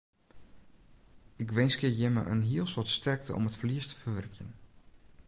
Ik winskje jimme in hiel soad sterkte om it ferlies te ferwurkjen.